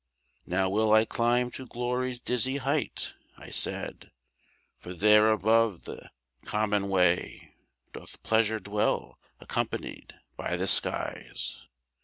"Now will I climb to glory's dizzy height," I said, "for there above the common way Doth pleasure dwell companioned by the skies."